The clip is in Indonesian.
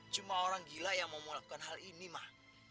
cuma orang gila yang mau melakukan hal ini mah